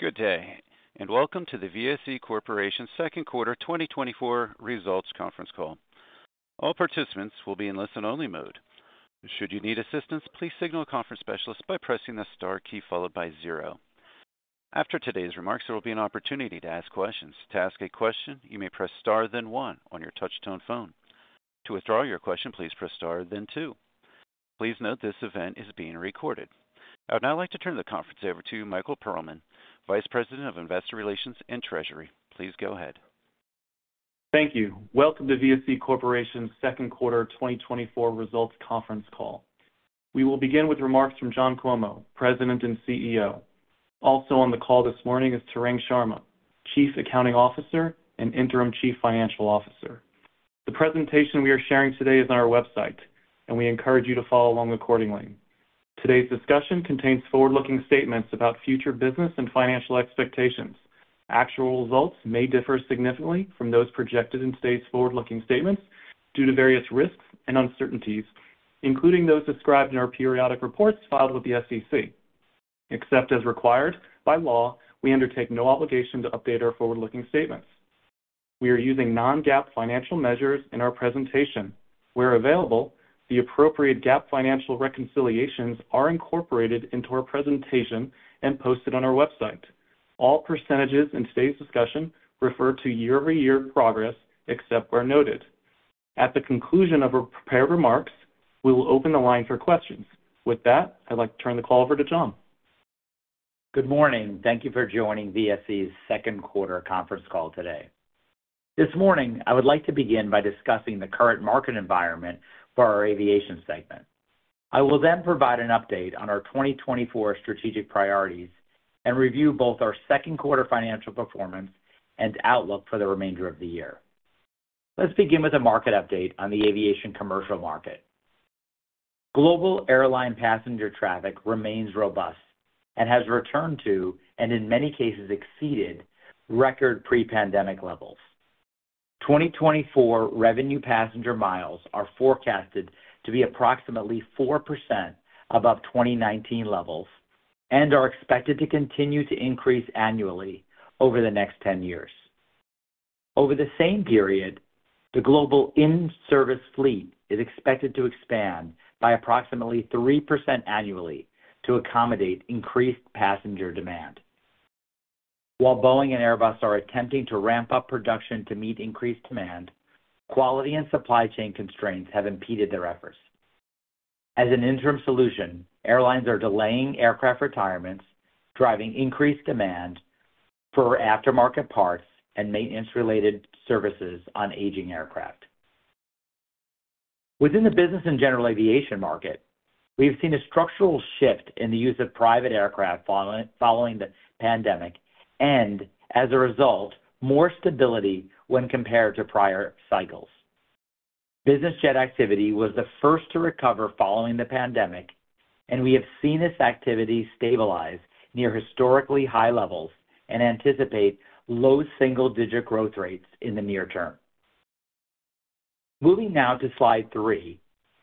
Good day, and welcome to the VSE Corporation's second quarter 2024 results conference call. All participants will be in listen-only mode. Should you need assistance, please signal a conference specialist by pressing the star key followed by zero. After today's remarks, there will be an opportunity to ask questions. To ask a question, you may press star then one on your touch-tone phone. To withdraw your question, please press star then two. Please note this event is being recorded. I would now like to turn the conference over to Michael Perlman, Vice President of Investor Relations and Treasury. Please go ahead. Thank you. Welcome to VSE Corporation's second quarter 2024 results conference call. We will begin with remarks from John Cuomo, President and CEO. Also on the call this morning is Tarang Sharma, Chief Accounting Officer and Interim Chief Financial Officer. The presentation we are sharing today is on our website, and we encourage you to follow along accordingly. Today's discussion contains forward-looking statements about future business and financial expectations. Actual results may differ significantly from those projected in today's forward-looking statements due to various risks and uncertainties, including those described in our periodic reports filed with the SEC. Except as required by law, we undertake no obligation to update our forward-looking statements. We are using Non-GAAP financial measures in our presentation. Where available, the appropriate GAAP financial reconciliations are incorporated into our presentation and posted on our website. All percentages in today's discussion refer to year-over-year progress except where noted. At the conclusion of our prepared remarks, we will open the line for questions. With that, I'd like to turn the call over to John. Good morning. Thank you for joining VSE's Second Quarter Conference Call today. This morning, I would like to begin by discussing the current market environment for our aviation segment. I will then provide an update on our 2024 strategic priorities and review both our second quarter financial performance and outlook for the remainder of the year. Let's begin with a market update on the aviation commercial market. Global airline passenger traffic remains robust and has returned to, and in many cases, exceeded, record pre-pandemic levels. 2024 revenue passenger miles are forecasted to be approximately 4% above 2019 levels and are expected to continue to increase annually over the next 10 years. Over the same period, the global in-service fleet is expected to expand by approximately 3% annually to accommodate increased passenger demand. While Boeing and Airbus are attempting to ramp up production to meet increased demand, quality and supply chain constraints have impeded their efforts. As an interim solution, airlines are delaying aircraft retirements, driving increased demand for aftermarket parts and maintenance-related services on aging aircraft. Within the business and general aviation market, we have seen a structural shift in the use of private aircraft following the pandemic and, as a result, more stability when compared to prior cycles. Business jet activity was the first to recover following the pandemic, and we have seen this activity stabilize near historically high levels and anticipate low single-digit growth rates in the near term. Moving now to slide 3,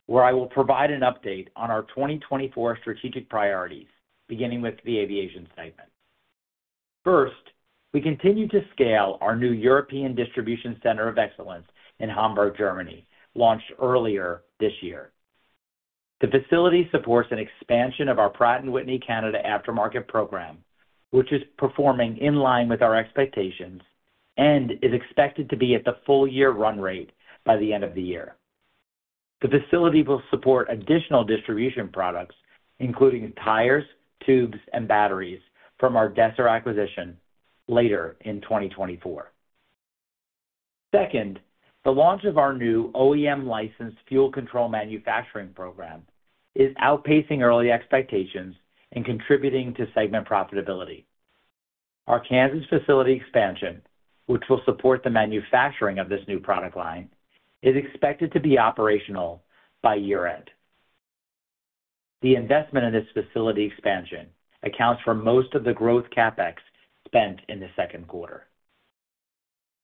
where I will provide an update on our 2024 strategic priorities, beginning with the aviation segment. First, we continue to scale our new European Distribution Center of Excellence in Hamburg, Germany, launched earlier this year. The facility supports an expansion of our Pratt & Whitney Canada aftermarket program, which is performing in line with our expectations and is expected to be at the full-year run rate by the end of the year. The facility will support additional distribution products, including tires, tubes, and batteries from our Desser acquisition later in 2024. Second, the launch of our new OEM-licensed fuel control manufacturing program is outpacing early expectations and contributing to segment profitability. Our Kansas facility expansion, which will support the manufacturing of this new product line, is expected to be operational by year-end. The investment in this facility expansion accounts for most of the growth CapEx spent in the second quarter.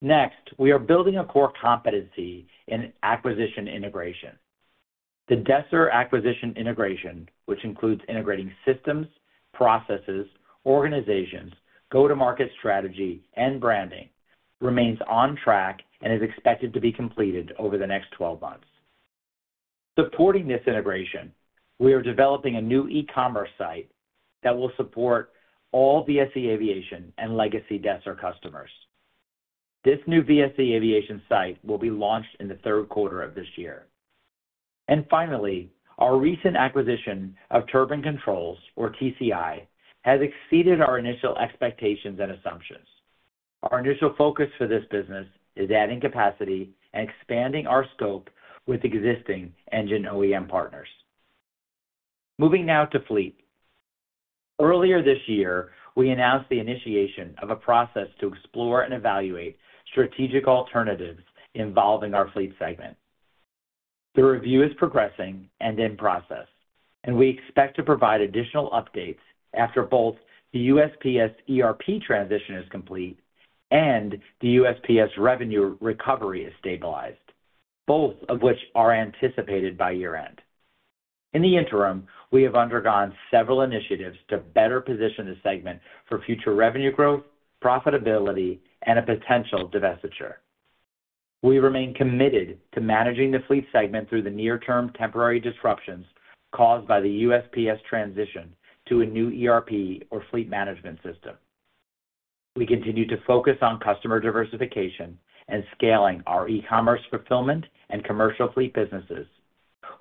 Next, we are building a core competency in acquisition integration. The Desser acquisition integration, which includes integrating systems, processes, organizations, go-to-market strategy, and branding, remains on track and is expected to be completed over the next 12 months. Supporting this integration, we are developing a new e-commerce site that will support all VSE Aviation and legacy Desser customers. This new VSE Aviation site will be launched in the third quarter of this year. Finally, our recent acquisition of Turbine Controls, or TCI, has exceeded our initial expectations and assumptions. Our initial focus for this business is adding capacity and expanding our scope with existing engine OEM partners. Moving now to fleet. Earlier this year, we announced the initiation of a process to explore and evaluate strategic alternatives involving our fleet segment. The review is progressing and in process, and we expect to provide additional updates after both the USPS ERP transition is complete and the USPS revenue recovery is stabilized, both of which are anticipated by year-end. In the interim, we have undergone several initiatives to better position the segment for future revenue growth, profitability, and a potential divestiture. We remain committed to managing the fleet segment through the near-term temporary disruptions caused by the USPS transition to a new ERP, or fleet management system. We continue to focus on customer diversification and scaling our e-commerce fulfillment and commercial fleet businesses,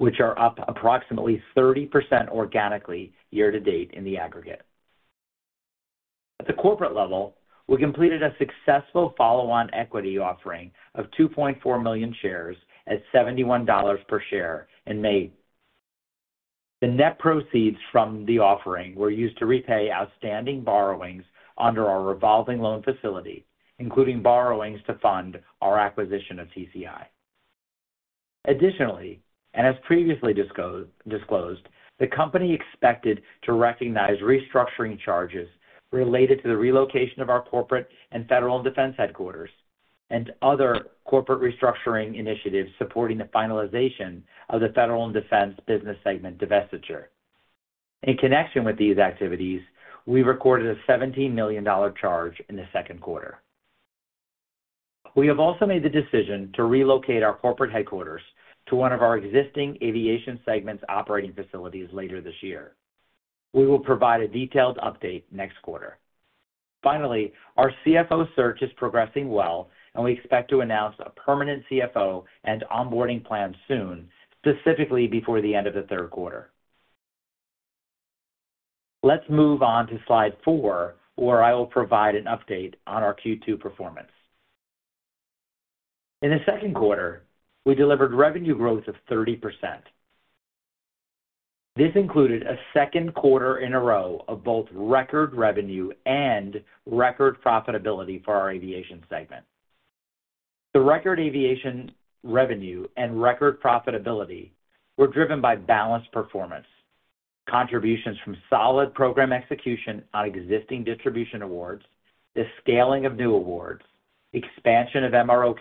which are up approximately 30% organically year-to-date in the aggregate. At the corporate level, we completed a successful follow-on equity offering of 2.4 million shares at $71 per share in May. The net proceeds from the offering were used to repay outstanding borrowings under our revolving loan facility, including borrowings to fund our acquisition of TCI. Additionally, and as previously disclosed, the company expected to recognize restructuring charges related to the relocation of our corporate and federal defense headquarters and other corporate restructuring initiatives supporting the finalization of the federal and defense business segment divestiture. In connection with these activities, we recorded a $17 million charge in the second quarter. We have also made the decision to relocate our corporate headquarters to one of our existing aviation segment's operating facilities later this year. We will provide a detailed update next quarter. Finally, our CFO search is progressing well, and we expect to announce a permanent CFO and onboarding plan soon, specifically before the end of the third quarter. Let's move on to slide four, where I will provide an update on our Q2 performance. In the second quarter, we delivered revenue growth of 30%. This included a second quarter in a row of both record revenue and record profitability for our aviation segment. The record aviation revenue and record profitability were driven by balanced performance: contributions from solid program execution on existing distribution awards, the scaling of new awards, expansion of MRO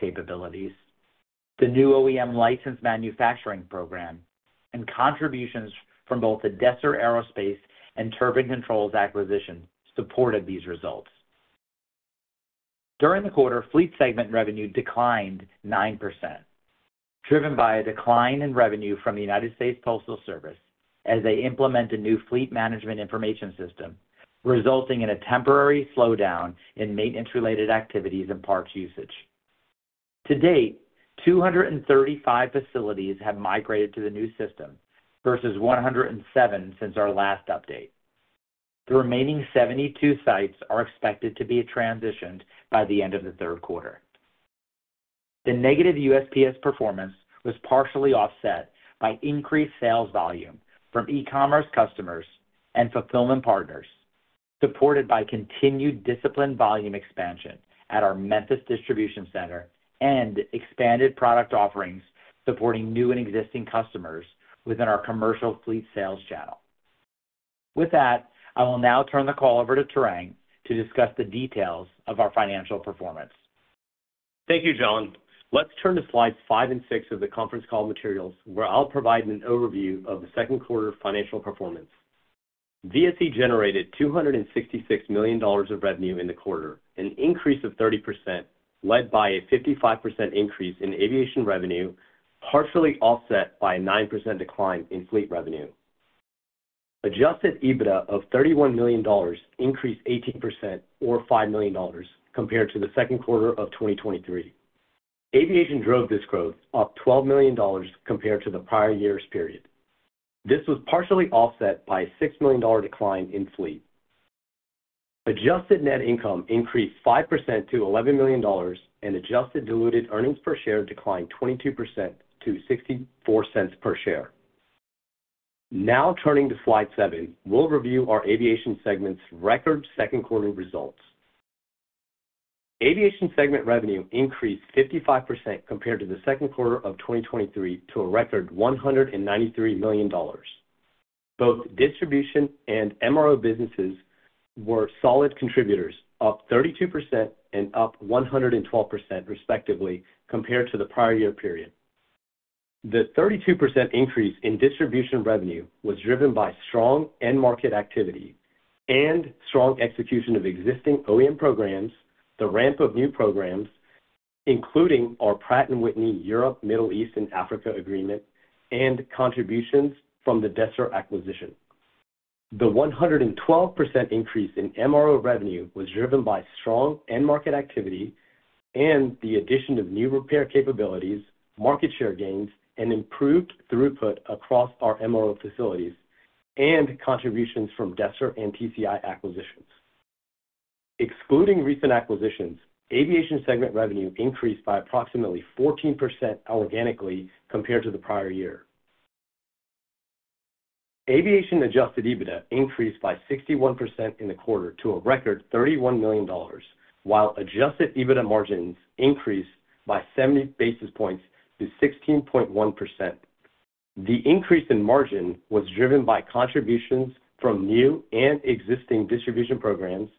capabilities, the new OEM-licensed manufacturing program, and contributions from both the Desser Aerospace and Turbine Controls acquisition supported these results. During the quarter, fleet segment revenue declined 9%, driven by a decline in revenue from the United States Postal Service as they implement a new fleet management information system, resulting in a temporary slowdown in maintenance-related activities and parts usage. To date, 235 facilities have migrated to the new system versus 107 since our last update. The remaining 72 sites are expected to be transitioned by the end of the third quarter. The negative USPS performance was partially offset by increased sales volume from e-commerce customers and fulfillment partners, supported by continued discipline volume expansion at our Memphis distribution center and expanded product offerings supporting new and existing customers within our commercial fleet sales channel. With that, I will now turn the call over to Tarang to discuss the details of our financial performance. Thank you, John. Let's turn to slides five and six of the conference call materials, where I'll provide an overview of the second quarter financial performance. VSE generated $266 million of revenue in the quarter, an increase of 30%, led by a 55% increase in aviation revenue, partially offset by a 9% decline in fleet revenue. Adjusted EBITDA of $31 million increased 18%, or $5 million, compared to the second quarter of 2023. Aviation drove this growth up $12 million compared to the prior year's period. This was partially offset by a $6 million decline in fleet. Adjusted net income increased 5% to $11 million, and adjusted diluted earnings per share declined 22% to $0.64 per share. Now turning to slide seven, we'll review our aviation segment's record second quarter results. Aviation segment revenue increased 55% compared to the second quarter of 2023 to a record $193 million. Both distribution and MRO businesses were solid contributors, up 32% and up 112%, respectively, compared to the prior year period. The 32% increase in distribution revenue was driven by strong end-market activity and strong execution of existing OEM programs, the ramp of new programs, including our Pratt & Whitney Europe Middle East and Africa agreement and contributions from the Desser acquisition. The 112% increase in MRO revenue was driven by strong end-market activity and the addition of new repair capabilities, market share gains, and improved throughput across our MRO facilities and contributions from Desser and TCI acquisitions. Excluding recent acquisitions, aviation segment revenue increased by approximately 14% organically compared to the prior year. Aviation Adjusted EBITDA increased by 61% in the quarter to a record $31 million, while Adjusted EBITDA margins increased by 70 basis points to 16.1%. The increase in margin was driven by contributions from new and existing distribution programs,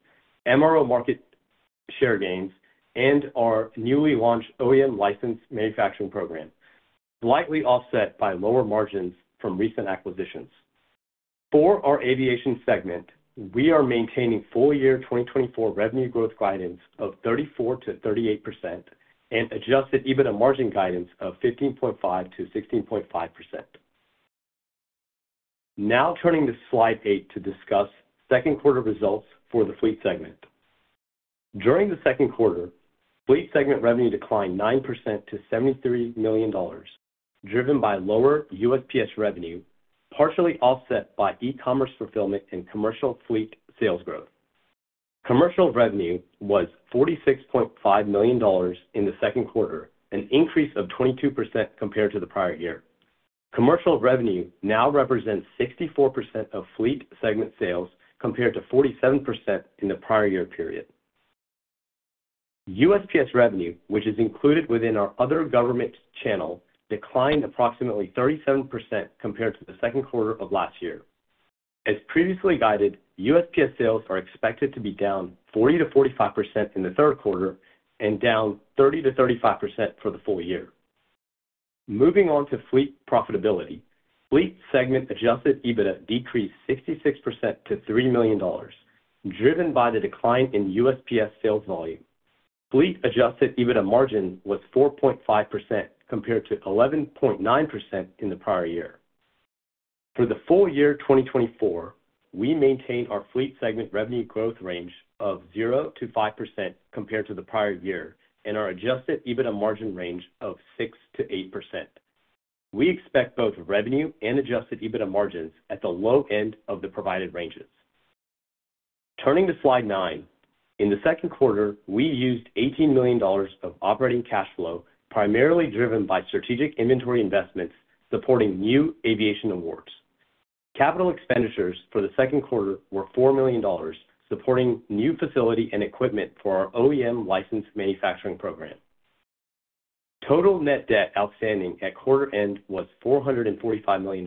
MRO market share gains, and our newly launched OEM-licensed manufacturing program, slightly offset by lower margins from recent acquisitions. For our aviation segment, we are maintaining full-year 2024 revenue growth guidance of 34%-38% and adjusted EBITDA margin guidance of 15.5%-16.5%. Now turning to slide eight to discuss second quarter results for the fleet segment. During the second quarter, fleet segment revenue declined 9% to $73 million, driven by lower USPS revenue, partially offset by e-commerce fulfillment and commercial fleet sales growth. Commercial revenue was $46.5 million in the second quarter, an increase of 22% compared to the prior year. Commercial revenue now represents 64% of fleet segment sales compared to 47% in the prior year period. USPS revenue, which is included within our other government channel, declined approximately 37% compared to the second quarter of last year. As previously guided, USPS sales are expected to be down 40%-45% in the third quarter and down 30%-35% for the full year. Moving on to fleet profitability, fleet segment adjusted EBITDA decreased 66% to $3 million, driven by the decline in USPS sales volume. Fleet adjusted EBITDA margin was 4.5% compared to 11.9% in the prior year. For the full year 2024, we maintain our fleet segment revenue growth range of 0%-5% compared to the prior year and our adjusted EBITDA margin range of 6%-8%. We expect both revenue and adjusted EBITDA margins at the low end of the provided ranges. Turning to slide nine, in the second quarter, we used $18 million of operating cash flow, primarily driven by strategic inventory investments supporting new aviation awards. Capital expenditures for the second quarter were $4 million, supporting new facility and equipment for our OEM-licensed manufacturing program. Total net debt outstanding at quarter end was $445 million.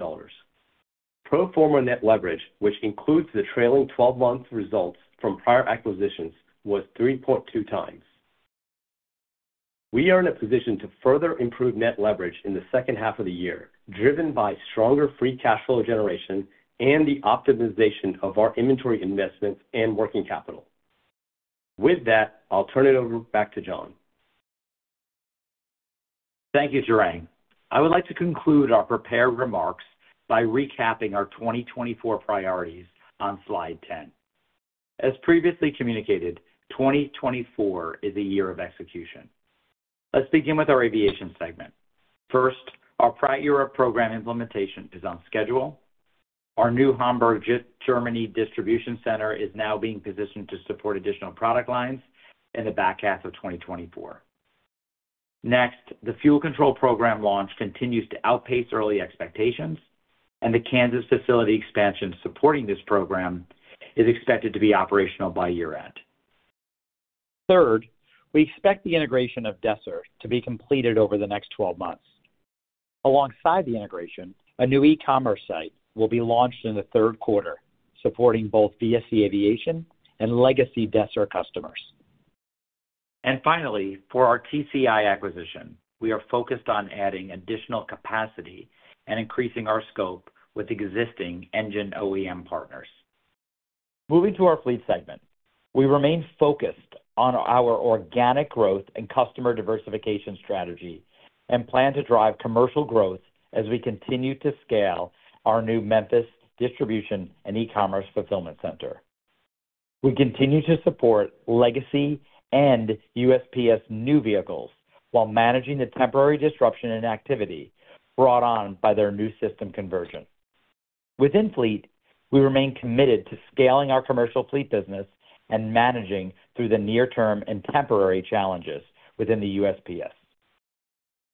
Pro forma net leverage, which includes the trailing 12-month results from prior acquisitions, was 3.2 times. We are in a position to further improve net leverage in the second half of the year, driven by stronger free cash flow generation and the optimization of our inventory investments and working capital. With that, I'll turn it over back to John. Thank you, Tarang. I would like to conclude our prepared remarks by recapping our 2024 priorities on slide 10. As previously communicated, 2024 is a year of execution. Let's begin with our aviation segment. First, our prior year program implementation is on schedule. Our new Hamburg, Germany distribution center is now being positioned to support additional product lines in the back half of 2024. Next, the fuel control program launch continues to outpace early expectations, and the Kansas facility expansion supporting this program is expected to be operational by year-end. Third, we expect the integration of Desser to be completed over the next 12 months. Alongside the integration, a new e-commerce site will be launched in the third quarter, supporting both VSE Aviation and legacy Desser customers. And finally, for our TCI acquisition, we are focused on adding additional capacity and increasing our scope with existing engine OEM partners. Moving to our fleet segment, we remain focused on our organic growth and customer diversification strategy and plan to drive commercial growth as we continue to scale our new Memphis distribution and e-commerce fulfillment center. We continue to support legacy and USPS new vehicles while managing the temporary disruption in activity brought on by their new system conversion. Within fleet, we remain committed to scaling our commercial fleet business and managing through the near-term and temporary challenges within the USPS.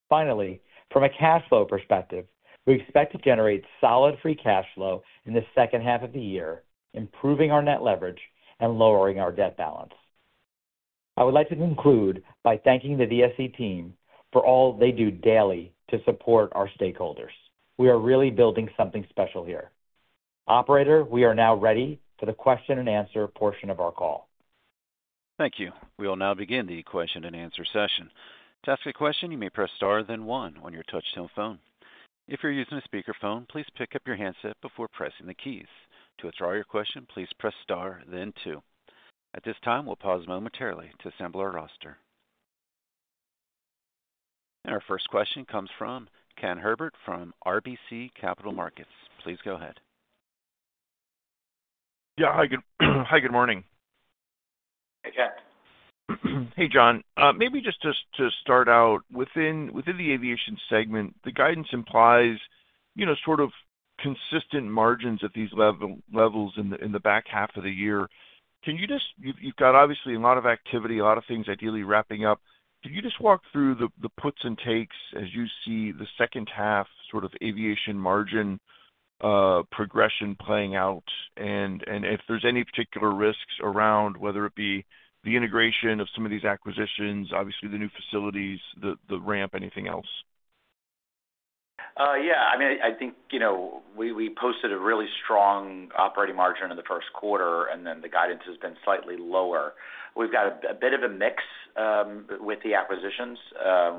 Finally, from a cash flow perspective, we expect to generate solid free cash flow in the second half of the year, improving our net leverage and lowering our debt balance. I would like to conclude by thanking the VSE team for all they do daily to support our stakeholders. We are really building something special here. Operator, we are now ready for the question and answer portion of our call. Thank you. We will now begin the question and answer session. To ask a question, you may press star then one on your touch-tone phone. If you're using a speakerphone, please pick up your handset before pressing the keys. To withdraw your question, please press star then two. At this time, we'll pause momentarily to assemble our roster. Our first question comes from Ken Herbert from RBC Capital Markets. Please go ahead. Yeah. Hi, good morning. Hey, Ken. Hey, John. Maybe just to start out, within the aviation segment, the guidance implies sort of consistent margins at these levels in the back half of the year. Can you just—you've got obviously a lot of activity, a lot of things ideally wrapping up. Can you just walk through the puts and takes as you see the second half sort of aviation margin progression playing out? And if there's any particular risks around whether it be the integration of some of these acquisitions, obviously the new facilities, the ramp, anything else? Yeah. I mean, I think we posted a really strong operating margin in the first quarter, and then the guidance has been slightly lower. We've got a bit of a mix with the acquisitions.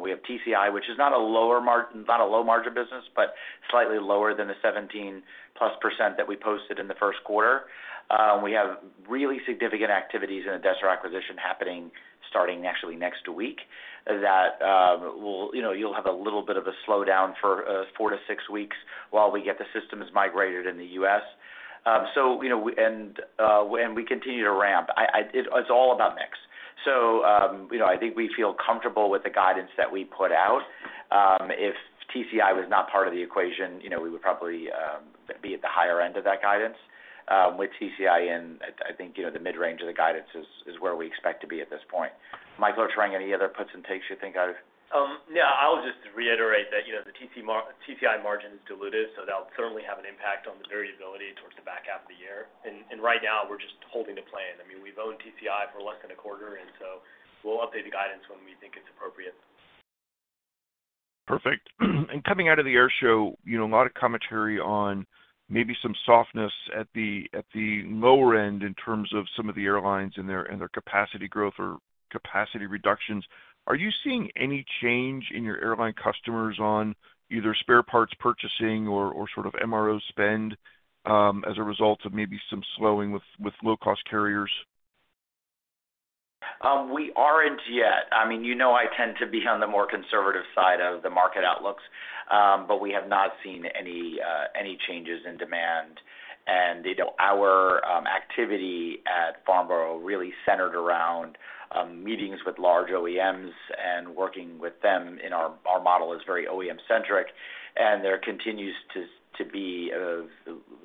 We have TCI, which is not a low margin business, but slightly lower than the 17%+ that we posted in the first quarter. We have really significant activities in a Desser acquisition happening starting actually next week that you'll have a little bit of a slowdown for 4-6 weeks while we get the systems migrated in the U.S. And we continue to ramp. It's all about mix. So I think we feel comfortable with the guidance that we put out. If TCI was not part of the equation, we would probably be at the higher end of that guidance. With TCI in, I think the mid-range of the guidance is where we expect to be at this point. Michael or Tarang, any other puts and takes you think I've? Yeah. I'll just reiterate that the TCI margin is diluted, so that'll certainly have an impact on the variability towards the back half of the year. Right now, we're just holding the plan. I mean, we've owned TCI for less than a quarter, and so we'll update the guidance when we think it's appropriate. Perfect. And coming out of the air show, a lot of commentary on maybe some softness at the lower end in terms of some of the airlines and their capacity growth or capacity reductions. Are you seeing any change in your airline customers on either spare parts purchasing or sort of MRO spend as a result of maybe some slowing with low-cost carriers? We aren't yet. I mean, you know I tend to be on the more conservative side of the market outlooks, but we have not seen any changes in demand. Our activity at Farnborough really centered around meetings with large OEMs and working with them. Our model is very OEM-centric, and there continues to be a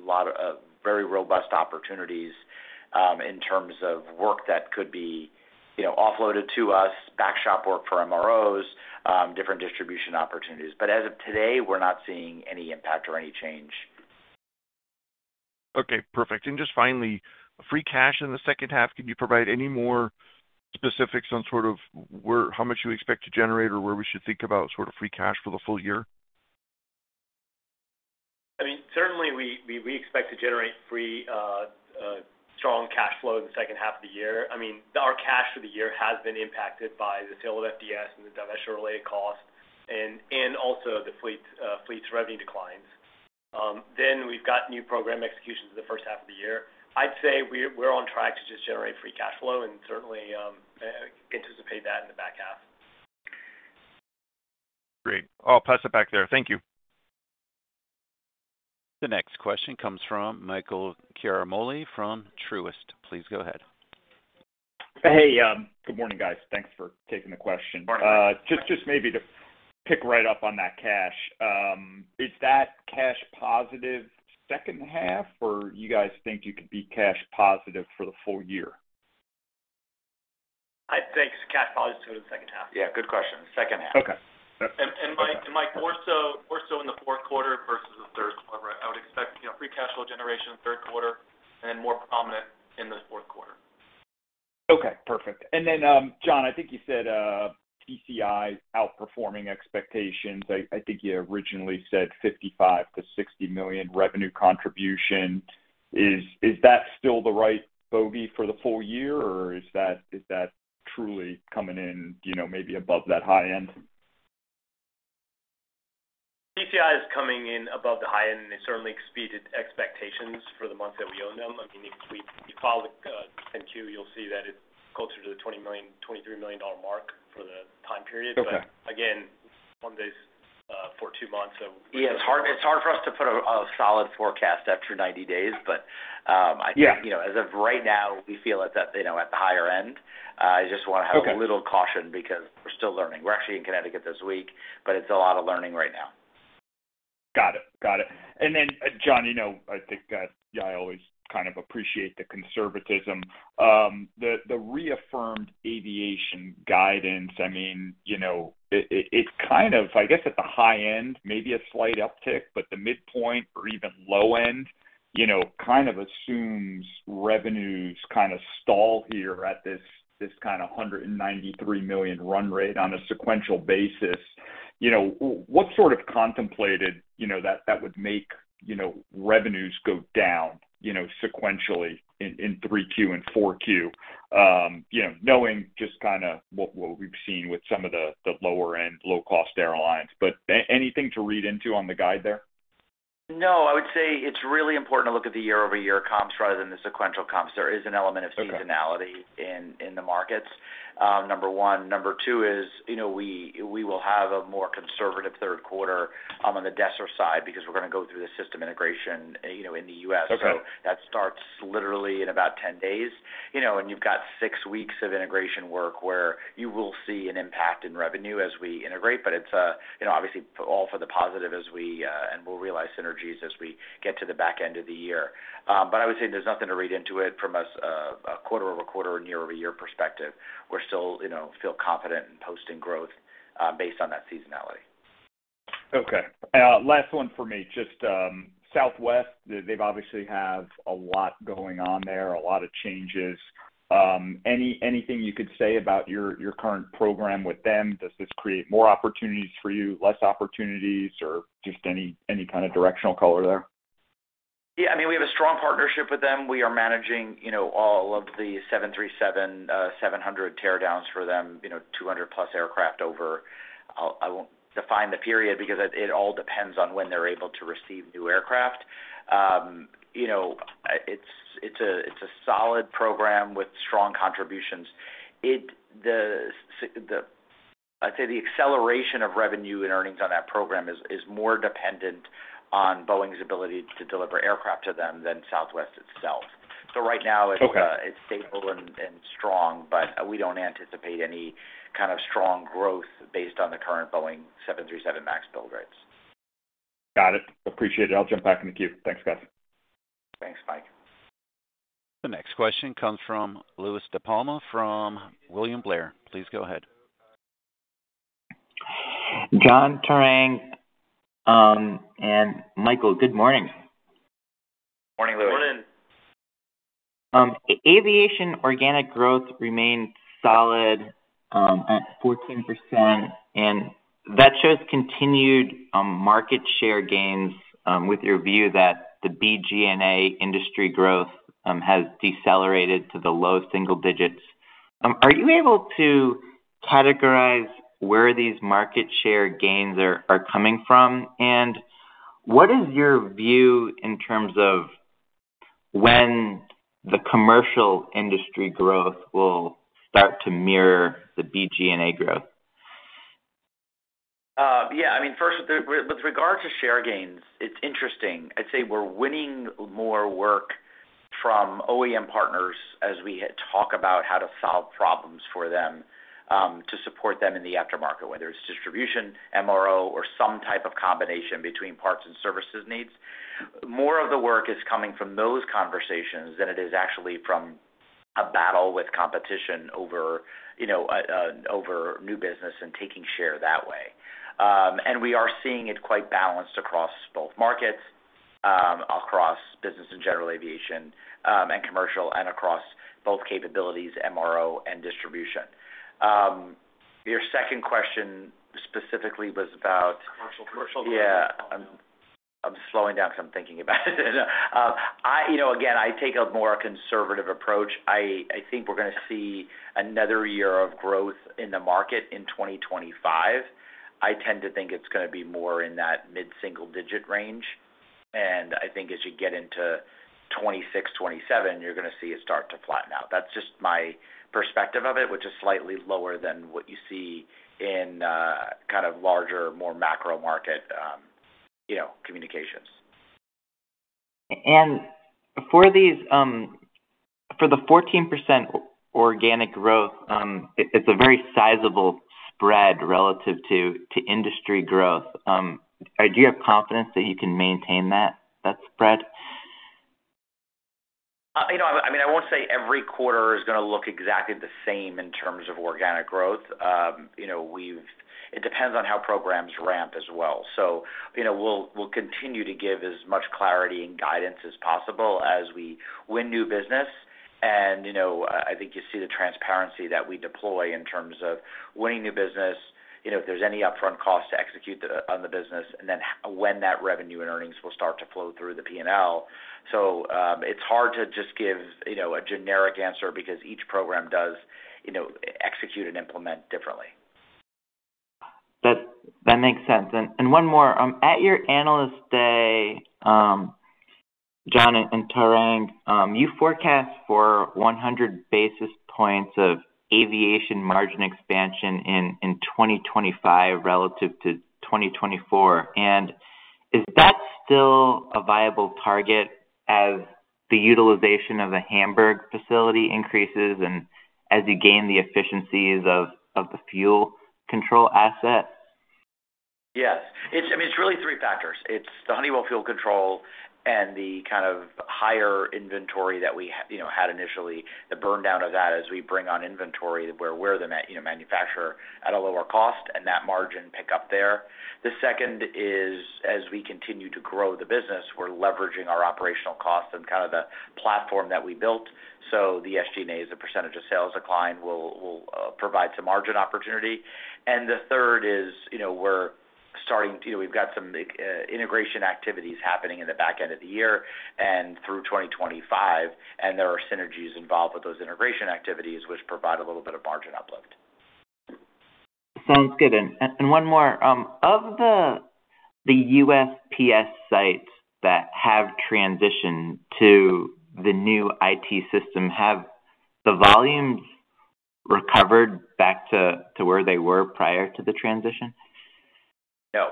lot of very robust opportunities in terms of work that could be offloaded to us, back shop work for MROs, different distribution opportunities. As of today, we're not seeing any impact or any change. Okay. Perfect. And just finally, free cash in the second half, can you provide any more specifics on sort of how much you expect to generate or where we should think about sort of free cash for the full year? I mean, certainly, we expect to generate free strong cash flow in the second half of the year. I mean, our cash for the year has been impacted by the sale of FDS and the divestiture-related cost and also the fleet's revenue declines. Then we've got new program executions in the first half of the year. I'd say we're on track to just generate free cash flow and certainly anticipate that in the back half. Great. I'll pass it back there. Thank you. The next question comes from Michael Ciarmoli from Truist. Please go ahead. Hey, good morning, guys. Thanks for taking the question. Just maybe to pick right up on that cash, is that cash positive second half, or do you guys think you could be cash positive for the full year? I'd say it's cash positive for the second half. Yeah. Good question. Second half. And Mike more so in the fourth quarter versus the third quarter. I would expect free cash flow generation in the third quarter and then more prominent in the fourth quarter. Okay. Perfect. And then, John, I think you said TCI outperforming expectations. I think you originally said $55 million-$60 million revenue contribution. Is that still the right bogey for the full year, or is that truly coming in maybe above that high end? TCI is coming in above the high end, and it certainly exceeded expectations for the month that we own them. I mean, if we follow the 10-Q, you'll see that it's closer to the $20 million-$23 million mark for the time period. But again, on this for two months, so. Yeah. It's hard for us to put a solid forecast after 90 days, but I think as of right now, we feel at the higher end. I just want to have a little caution because we're still learning. We're actually in Connecticut this week, but it's a lot of learning right now. Got it. Got it. And then, John, I think I always kind of appreciate the conservatism. The reaffirmed aviation guidance, I mean, it's kind of, I guess, at the high end, maybe a slight uptick, but the midpoint or even low end kind of assumes revenues kind of stall here at this kind of $193 million run rate on a sequential basis. What sort of contemplated that would make revenues go down sequentially in Q3 and Q4, knowing just kind of what we've seen with some of the lower-end, low-cost airlines? But anything to read into on the guide there? No. I would say it's really important to look at the year-over-year comps rather than the sequential comps. There is an element of seasonality in the markets, number one. Number two is we will have a more conservative third quarter on the Desser side because we're going to go through the system integration in the U.S. So that starts literally in about 10 days, and you've got six weeks of integration work where you will see an impact in revenue as we integrate. But it's obviously all for the positive as we—and we'll realize synergies as we get to the back end of the year. But I would say there's nothing to read into it from a quarter-over-quarter or year-over-year perspective. We still feel confident in posting growth based on that seasonality. Okay. Last one for me. Just Southwest, they obviously have a lot going on there, a lot of changes. Anything you could say about your current program with them? Does this create more opportunities for you, less opportunities, or just any kind of directional color there? Yeah. I mean, we have a strong partnership with them. We are managing all of the 737-700 teardowns for them, 200+ aircraft over—I won't define the period because it all depends on when they're able to receive new aircraft. It's a solid program with strong contributions. I'd say the acceleration of revenue and earnings on that program is more dependent on Boeing's ability to deliver aircraft to them than Southwest itself. So right now, it's stable and strong, but we don't anticipate any kind of strong growth based on the current Boeing 737 MAX build rates. Got it. Appreciate it. I'll jump back in the queue. Thanks, guys. Thanks, Mike. The next question comes from Louie DiPalma from William Blair. Please go ahead. John, Tarang, and Michael. Good morning. Morning, Louis. Morning. Aviation organic growth remained solid at 14%, and that shows continued market share gains with your view that the B&GA industry growth has decelerated to the low single digits. Are you able to categorize where these market share gains are coming from? And what is your view in terms of when the commercial industry growth will start to mirror the B&GA growth? Yeah. I mean, first, with regard to share gains, it's interesting. I'd say we're winning more work from OEM partners as we talk about how to solve problems for them to support them in the aftermarket, whether it's distribution, MRO, or some type of combination between parts and services needs. More of the work is coming from those conversations than it is actually from a battle with competition over new business and taking share that way. We are seeing it quite balanced across both markets, across business and general aviation and commercial, and across both capabilities, MRO, and distribution. Your second question specifically was about. Commercial. Yeah. I'm slowing down because I'm thinking about it. Again, I take a more conservative approach. I think we're going to see another year of growth in the market in 2025. I tend to think it's going to be more in that mid-single-digit range. And I think as you get into 2026, 2027, you're going to see it start to flatten out. That's just my perspective of it, which is slightly lower than what you see in kind of larger, more macro market communications. For the 14% organic growth, it's a very sizable spread relative to industry growth. Do you have confidence that you can maintain that spread? I mean, I won't say every quarter is going to look exactly the same in terms of organic growth. It depends on how programs ramp as well. So we'll continue to give as much clarity and guidance as possible as we win new business. And I think you see the transparency that we deploy in terms of winning new business, if there's any upfront cost to execute on the business, and then when that revenue and earnings will start to flow through the P&L. So it's hard to just give a generic answer because each program does execute and implement differently. That makes sense. And one more. At your analyst day, John and Tarang, you forecast for 100 basis points of aviation margin expansion in 2025 relative to 2024. And is that still a viable target as the utilization of the Hamburg facility increases and as you gain the efficiencies of the fuel control asset? Yes. I mean, it's really three factors. It's the Honeywell fuel control and the kind of higher inventory that we had initially, the burndown of that as we bring on inventory where we're the manufacturer at a lower cost and that margin pickup there. The second is, as we continue to grow the business, we're leveraging our operational costs and kind of the platform that we built. So the SG&As, the percentage of sales decline, will provide some margin opportunity. And the third is we're starting, we've got some integration activities happening in the back end of the year and through 2025, and there are synergies involved with those integration activities, which provide a little bit of margin uplift. Sounds good. And one more. Of the USPS sites that have transitioned to the new IT system, have the volumes recovered back to where they were prior to the transition? No.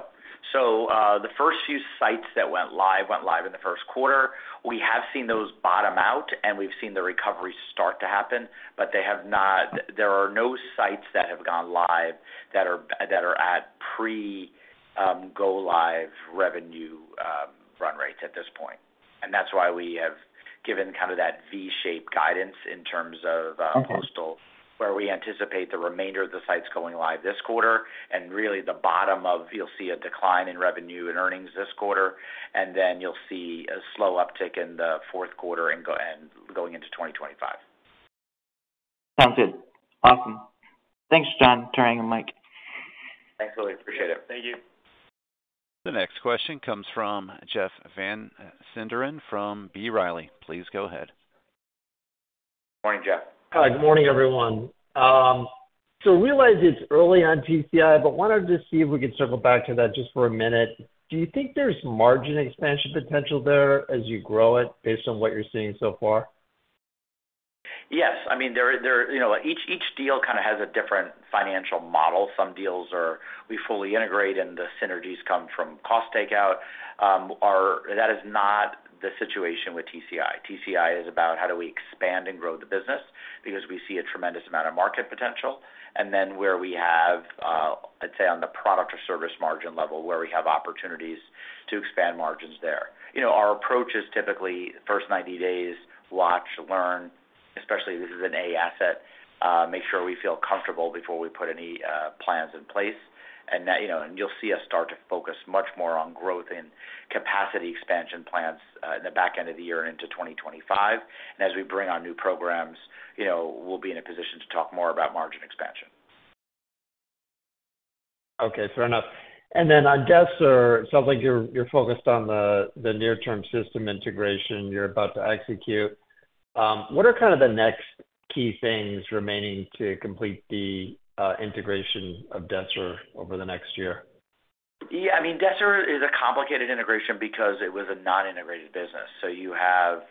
So the first few sites that went live went live in the first quarter. We have seen those bottom out, and we've seen the recovery start to happen, but there are no sites that have gone live that are at pre-go-live revenue run rates at this point. And that's why we have given kind of that V-shaped guidance in terms of postal, where we anticipate the remainder of the sites going live this quarter. And really, the bottom of, you'll see a decline in revenue and earnings this quarter, and then you'll see a slow uptick in the fourth quarter and going into 2025. Sounds good. Awesome. Thanks, John, Tarang, and Mike. Thanks, Louis. Appreciate it. Thank you. The next question comes from Jeff Van Sinderen from B. Riley. Please go ahead. Good morning, Jeff. Hi. Good morning, everyone. So realize it's early on TCI, but wanted to see if we could circle back to that just for a minute. Do you think there's margin expansion potential there as you grow it based on what you're seeing so far? Yes. I mean, each deal kind of has a different financial model. Some deals we fully integrate, and the synergies come from cost takeout. That is not the situation with TCI. TCI is about how do we expand and grow the business because we see a tremendous amount of market potential. And then where we have, I'd say, on the product or service margin level, where we have opportunities to expand margins there. Our approach is typically first 90 days, watch, learn, especially this is an A asset, make sure we feel comfortable before we put any plans in place. And you'll see us start to focus much more on growth and capacity expansion plans in the back end of the year and into 2025. And as we bring on new programs, we'll be in a position to talk more about margin expansion. Okay. Fair enough. And then on Desser, it sounds like you're focused on the near-term system integration you're about to execute. What are kind of the next key things remaining to complete the integration of Desser over the next year? Yeah. I mean, Desser is a complicated integration because it was a non-integrated business. So you have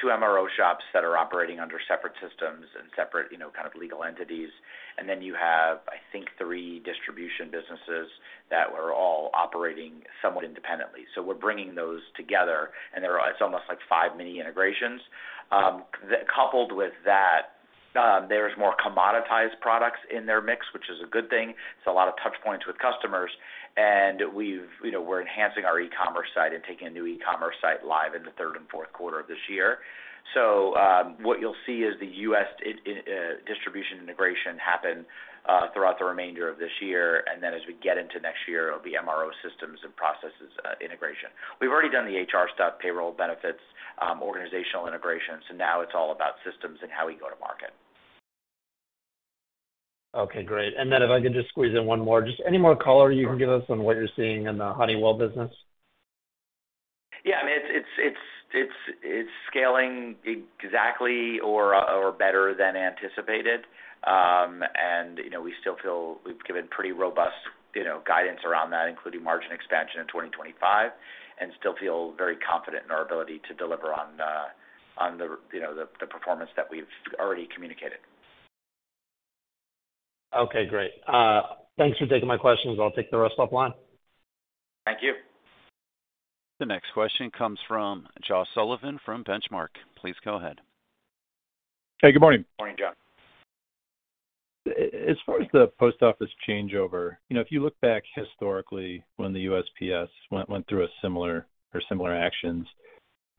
two MRO shops that are operating under separate systems and separate kind of legal entities. And then you have, I think, three distribution businesses that were all operating somewhat independently. So we're bringing those together, and it's almost like five mini integrations. Coupled with that, there's more commoditized products in their mix, which is a good thing. It's a lot of touchpoints with customers. And we're enhancing our e-commerce site and taking a new e-commerce site live in the third and fourth quarter of this year. So what you'll see is the U.S. distribution integration happen throughout the remainder of this year. And then as we get into next year, it'll be MRO systems and processes integration. We've already done the HR stuff, payroll, benefits, organizational integration. So now it's all about systems and how we go to market. Okay. Great. And then if I can just squeeze in one more, just any more color you can give us on what you're seeing in the Honeywell business? Yeah. I mean, it's scaling exactly or better than anticipated. We still feel we've given pretty robust guidance around that, including margin expansion in 2025, and still feel very confident in our ability to deliver on the performance that we've already communicated. Okay. Great. Thanks for taking my questions. I'll take the rest offline. Thank you. The next question comes from Josh Sullivan from Benchmark. Please go ahead. Hey, good morning. Morning, John. As far as the post office changeover, if you look back historically when the USPS went through similar actions,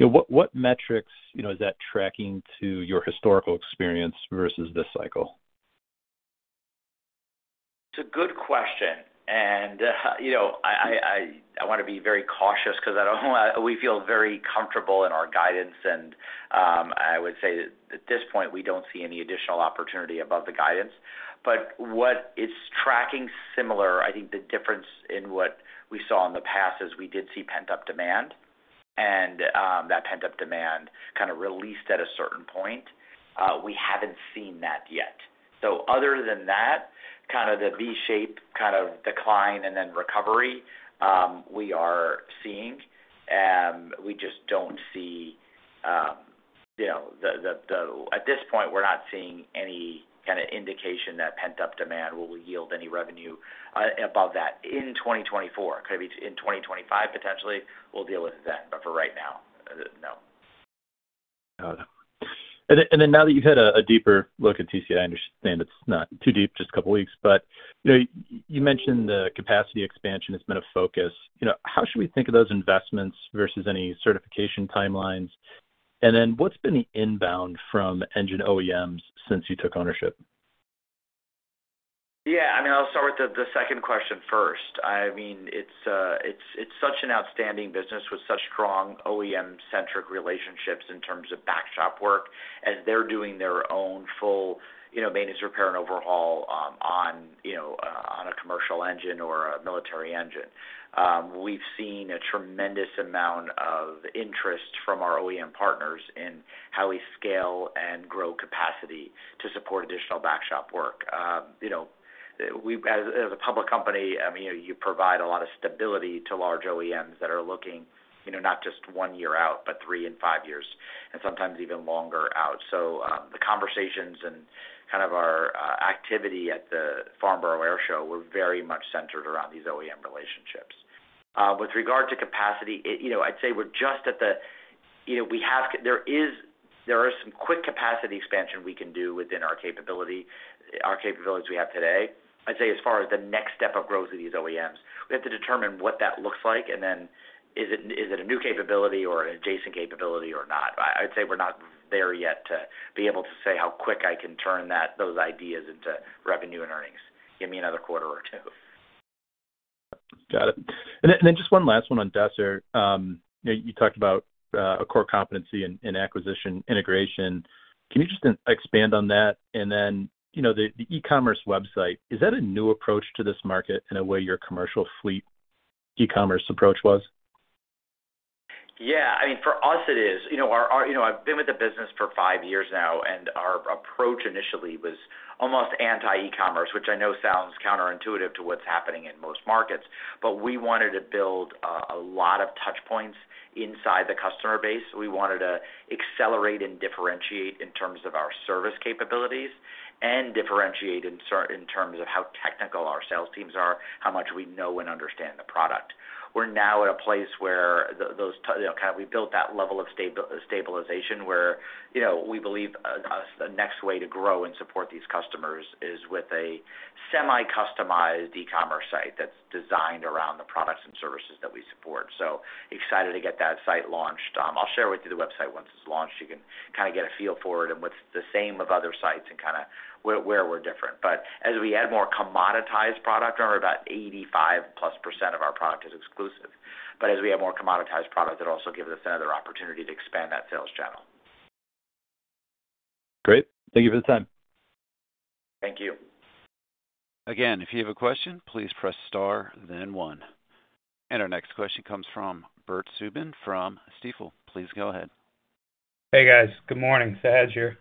what metrics is that tracking to your historical experience versus this cycle? It's a good question. I want to be very cautious because we feel very comfortable in our guidance. I would say at this point, we don't see any additional opportunity above the guidance. It's tracking similar. I think the difference in what we saw in the past is we did see pent-up demand, and that pent-up demand kind of released at a certain point. We haven't seen that yet. Other than that, kind of the V-shaped kind of decline and then recovery we are seeing. We just don't see the—at this point, we're not seeing any kind of indication that pent-up demand will yield any revenue above that in 2024. Could it be in 2025, potentially? We'll deal with it then. For right now, no. Got it. And then now that you've had a deeper look at TCI, I understand it's not too deep, just a couple of weeks. But you mentioned the capacity expansion has been a focus. How should we think of those investments versus any certification timelines? And then what's been the inbound from engine OEMs since you took ownership? Yeah. I mean, I'll start with the second question first. I mean, it's such an outstanding business with such strong OEM-centric relationships in terms of back shop work as they're doing their own full maintenance, repair, and overhaul on a commercial engine or a military engine. We've seen a tremendous amount of interest from our OEM partners in how we scale and grow capacity to support additional back shop work. As a public company, I mean, you provide a lot of stability to large OEMs that are looking not just 1 year out, but 3 and 5 years, and sometimes even longer out. So the conversations and kind of our activity at the Farnborough Air Show were very much centered around these OEM relationships. With regard to capacity, I'd say there is some quick capacity expansion we can do within our capabilities we have today. I'd say as far as the next step of growth of these OEMs, we have to determine what that looks like, and then is it a new capability or an adjacent capability or not. I'd say we're not there yet to be able to say how quick I can turn those ideas into revenue and earnings. Give me another quarter or two. Got it. And then just one last one on Desser. You talked about a core competency in acquisition integration. Can you just expand on that? And then the e-commerce website, is that a new approach to this market in a way your commercial fleet e-commerce approach was? Yeah. I mean, for us, it is. I've been with the business for five years now, and our approach initially was almost anti-e-commerce, which I know sounds counterintuitive to what's happening in most markets. But we wanted to build a lot of touchpoints inside the customer base. We wanted to accelerate and differentiate in terms of our service capabilities and differentiate in terms of how technical our sales teams are, how much we know and understand the product. We're now at a place where those kind of—we built that level of stabilization where we believe the next way to grow and support these customers is with a semi-customized e-commerce site that's designed around the products and services that we support. So excited to get that site launched. I'll share with you the website once it's launched. You can kind of get a feel for it and what's the same as other sites and kind of where we're different. But as we add more commoditized product, remember, about 85%+ of our product is exclusive. But as we have more commoditized product, it also gives us another opportunity to expand that sales channel. Great. Thank you for the time. Thank you. Again, if you have a question, please press star, then one. Our next question comes from Bert Subin from Stifel. Please go ahead. Hey, guys. Good morning. Saad's here.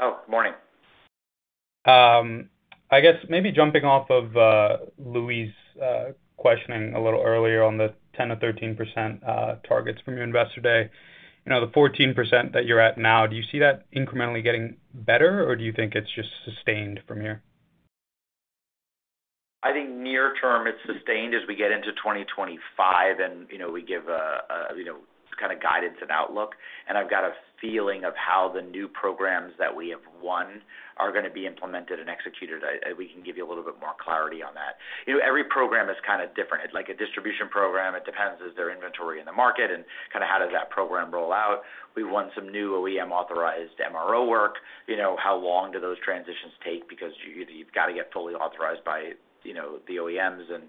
Oh, good morning. I guess maybe jumping off of Louis' questioning a little earlier on the 10%-13% targets from your investor day, the 14% that you're at now, do you see that incrementally getting better, or do you think it's just sustained from here? I think near-term, it's sustained as we get into 2025, and we give kind of guidance and outlook. I've got a feeling of how the new programs that we have won are going to be implemented and executed. We can give you a little bit more clarity on that. Every program is kind of different. Like a distribution program, it depends: is there inventory in the market? And kind of how does that program roll out? We've won some new OEM-authorized MRO work. How long do those transitions take? Because you've got to get fully authorized by the OEMs and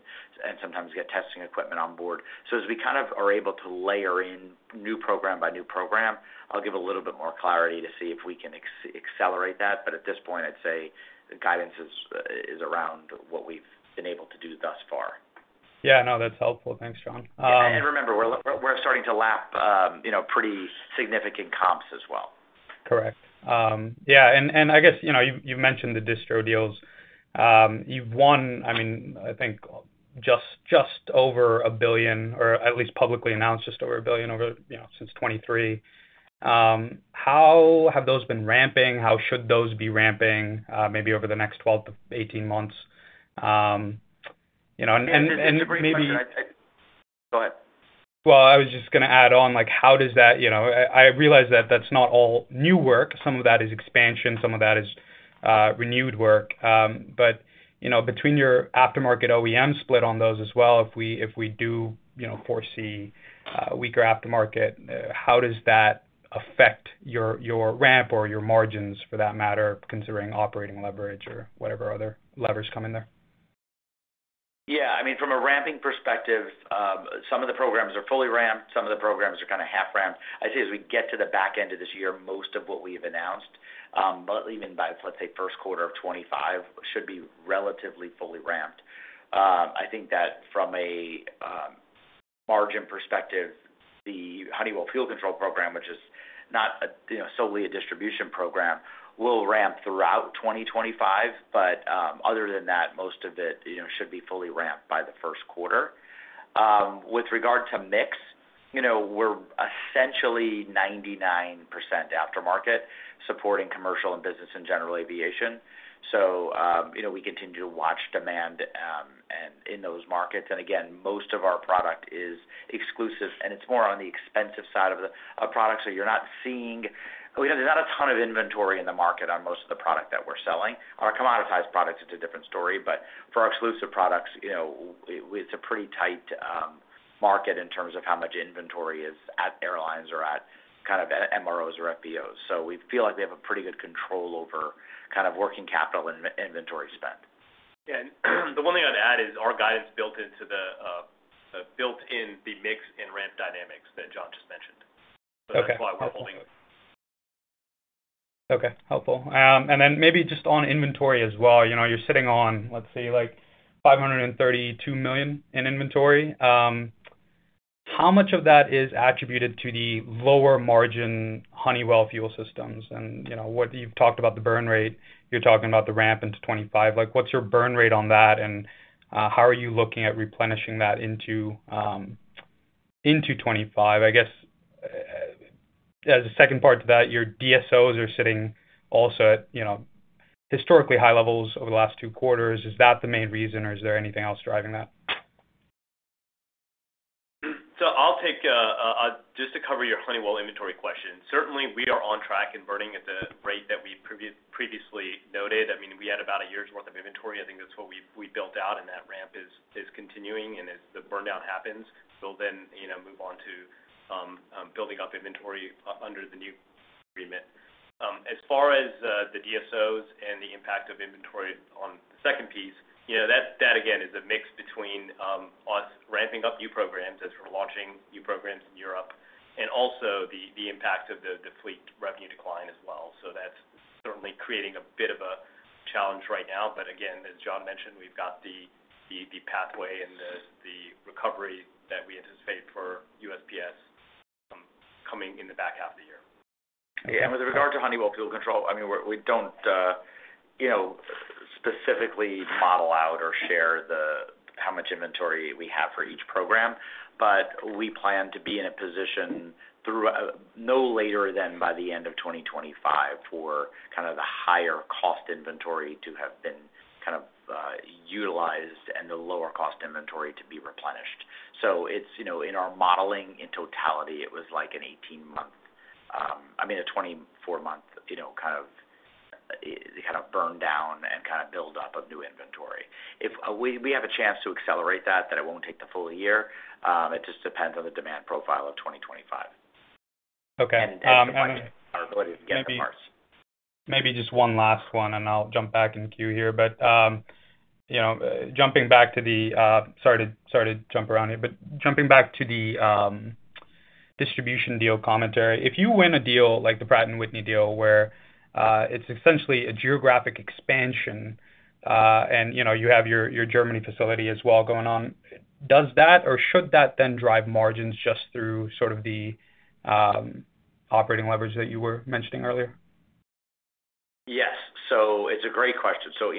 sometimes get testing equipment on board. As we kind of are able to layer in new program by new program, I'll give a little bit more clarity to see if we can accelerate that. But at this point, I'd say the guidance is around what we've been able to do thus far. Yeah. No, that's helpful. Thanks, John. Remember, we're starting to lap pretty significant comps as well. Correct. Yeah. And I guess you've mentioned the distro deals. You've won, I mean, I think, just over $1 billion or at least publicly announced just over $1 billion since 2023. How have those been ramping? How should those be ramping maybe over the next 12 months to 18 months? And maybe. And just to bring something, go ahead. Well, I was just going to add on, how does that—I realize that that's not all new work. Some of that is expansion. Some of that is renewed work. But between your aftermarket OEM split on those as well, if we do foresee weaker aftermarket, how does that affect your ramp or your margins for that matter, considering operating leverage or whatever other levers come in there? Yeah. I mean, from a ramping perspective, some of the programs are fully ramped. Some of the programs are kind of half-ramped. I'd say as we get to the back end of this year, most of what we have announced, even by, let's say, first quarter of 2025, should be relatively fully ramped. I think that from a margin perspective, the Honeywell Fuel Control Program, which is not solely a distribution program, will ramp throughout 2025. But other than that, most of it should be fully ramped by the first quarter. With regard to mix, we're essentially 99% aftermarket supporting commercial and business and general aviation. So we continue to watch demand in those markets. And again, most of our product is exclusive, and it's more on the expensive side of the product. So you're not seeing—there's not a ton of inventory in the market on most of the product that we're selling. On our commoditized products, it's a different story. But for our exclusive products, it's a pretty tight market in terms of how much inventory is at airlines or at kind of MROs or FBOs. So we feel like we have a pretty good control over kind of working capital and inventory spend. Yeah. And the one thing I'd add is our guidance built into the mix and ramp dynamics that John just mentioned. So that's why we're holding. Okay. Helpful. And then maybe just on inventory as well, you're sitting on, let's say, $532 million in inventory. How much of that is attributed to the lower margin Honeywell fuel systems? And you've talked about the burn rate. You're talking about the ramp into 2025. What's your burn rate on that? And how are you looking at replenishing that into 2025? I guess as a second part to that, your DSOs are sitting also at historically high levels over the last two quarters. Is that the main reason, or is there anything else driving that? So, I'll take just to cover your Honeywell inventory question. Certainly, we are on track and burning at the rate that we previously noted. I mean, we had about a year's worth of inventory. I think that's what we built out. And that ramp is continuing. And as the burndown happens, we'll then move on to building up inventory under the new agreement. As far as the DSOs and the impact of inventory on the second piece, that, again, is a mix between us ramping up new programs as we're launching new programs in Europe and also the impact of the fleet revenue decline as well. So that's certainly creating a bit of a challenge right now. But again, as John mentioned, we've got the pathway and the recovery that we anticipate for USPS coming in the back half of the year. Yeah. And with regard to Honeywell Fuel Control, I mean, we don't specifically model out or share how much inventory we have for each program. But we plan to be in a position no later than by the end of 2025 for kind of the higher-cost inventory to have been kind of utilized and the lower-cost inventory to be replenished. So in our modeling in totality, it was like an 18-month, I mean, a 24-month kind of burndown and kind of buildup of new inventory. If we have a chance to accelerate that, that it won't take the full year. It just depends on the demand profile of 2025. And our ability to get to Mars. Maybe just one last one, and I'll jump back in queue here. But jumping back to the, sorry to jump around here. But jumping back to the distribution deal commentary, if you win a deal like the Pratt & Whitney deal where it's essentially a geographic expansion and you have your Germany facility as well going on, does that or should that then drive margins just through sort of the operating leverage that you were mentioning earlier? Yes. So it's a great question. So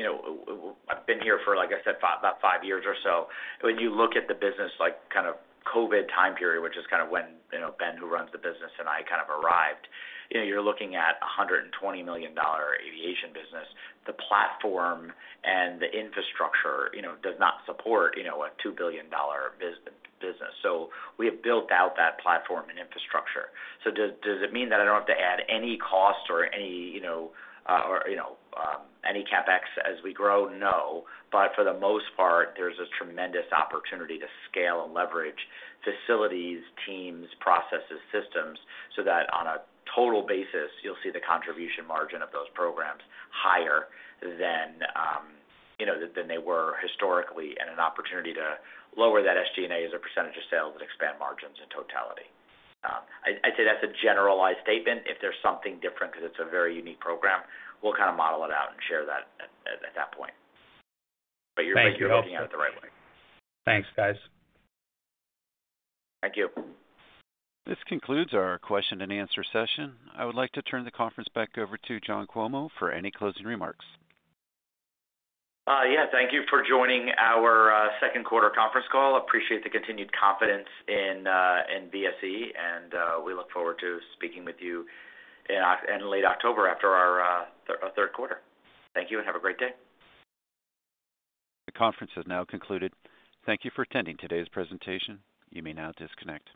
I've been here for, like I said, about five years or so. When you look at the business kind of COVID time period, which is kind of when Ben who runs the business and I kind of arrived, you're looking at a $120 million aviation business. The platform and the infrastructure does not support a $2 billion business. So we have built out that platform and infrastructure. So does it mean that I don't have to add any cost or any CapEx as we grow? No. But for the most part, there's a tremendous opportunity to scale and leverage facilities, teams, processes, systems so that on a total basis, you'll see the contribution margin of those programs higher than they were historically and an opportunity to lower that SG&A as a percentage of sales and expand margins in totality. I'd say that's a generalized statement. If there's something different because it's a very unique program, we'll kind of model it out and share that at that point. But you're looking at it the right way. Thanks, guys. Thank you. This concludes our question and answer session. I would like to turn the conference back over to John Cuomo for any closing remarks. Yeah. Thank you for joining our second quarter conference call. Appreciate the continued confidence in VSE. We look forward to speaking with you in late October after our third quarter. Thank you and have a great day. The conference has now concluded. Thank you for attending today's presentation. You may now disconnect.